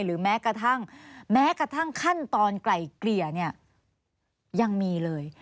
หรือแม้กระทั่งขั้นตอนไกลเกลี่ยเนี่ยยังมีเลย